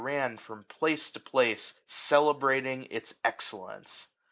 ran from place to place celebrating its ex cellence.